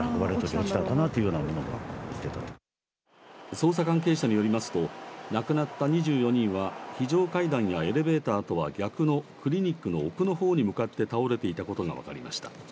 捜査関係者によりますと亡くなった２４人は非常階段やエレベーターとは逆のクリニックの奥のほうに向かって倒れていたことが分かりました。